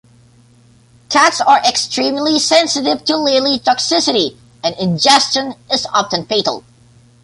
Cats are extremely sensitive to lilly toxicity and ingestion is often fatal.